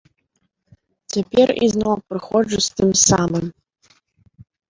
Цяпер ізноў прыходжу з тым самым.